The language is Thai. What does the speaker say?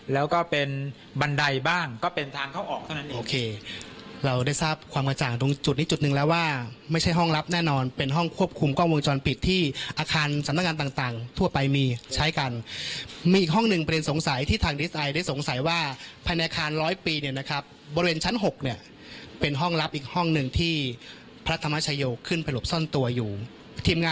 แล้วก็เป็นบันไดบ้างก็เป็นทางเข้าออกเท่านั้นเองโอเคเราได้ทราบความกระจ่างตรงจุดนี้จุดหนึ่งแล้วว่าไม่ใช่ห้องลับแน่นอนเป็นห้องควบคุมกล้องวงจรปิดที่อาคารสำหรับงานต่างต่างทั่วไปมีใช้กันมีอีกห้องหนึ่งเป็นสงสัยที่ทางได้สงสัยว่าภายในอาคารร้อยปีเนี้ยนะครับบริเวณชั้นหกเนี้ยเป็นห้อง